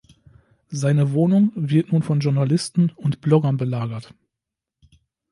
Seine Wohnung wird nun von Journalisten und Bloggern belagert.